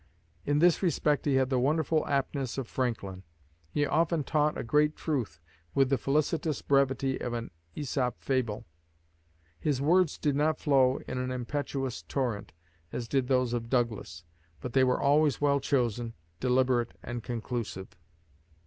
In this respect he had the wonderful aptness of Franklin. He often taught a great truth with the felicitous brevity of an Aesop fable. His words did not flow in an impetuous torrent, as did those of Douglas; but they were always well chosen, deliberate and conclusive." Mr.